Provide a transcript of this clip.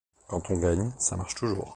Quand on gagne, ça marche toujours.